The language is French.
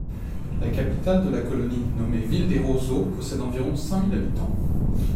La capitale de la colonie, nommée Ville-des-Roseaux, possède environ cinq mille habitants.